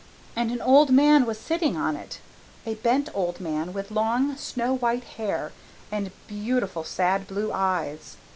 And an old man was sitting on it a bent old man with long, snow white hair and beautiful sad blue eyes.